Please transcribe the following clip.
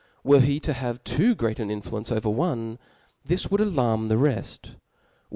Were he to have ux> great an iafluence over one, this would alarm the reft ; were.